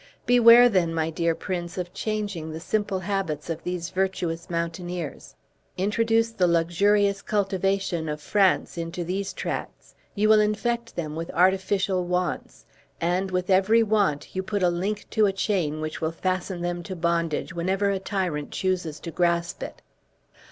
Beware, then, my dear prince, of changing the simple habits of those virtuous mountaineers. Introduce the luxurious cultivation of France into these tracts, you will infect them with artificial wants; and, with every want, you put a link to a chain which will fasten them to bondage whenever a tyrant chooses to grasp it.